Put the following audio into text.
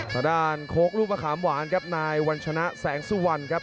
ทางด้านโค้กลูกมะขามหวานครับนายวัญชนะแสงสุวรรณครับ